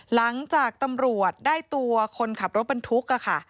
หลังจากตำรวจได้ตัวคนขับรถบรรทุกค่ะ